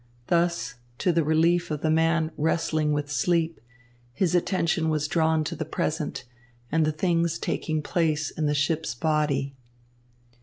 Thus, to the relief of the man wrestling with sleep, his attention was drawn to the present and the things taking place in the ship's body.